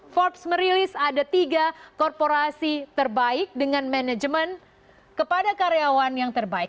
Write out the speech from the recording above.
forbes merilis ada tiga korporasi terbaik dengan manajemen kepada karyawan yang terbaik